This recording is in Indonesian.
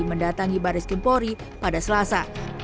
mendatangi baris kempori pada selasa